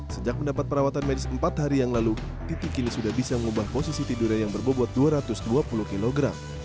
sejak mendapat perawatan medis empat hari yang lalu titi kini sudah bisa mengubah posisi tidurnya yang berbobot dua ratus dua puluh kg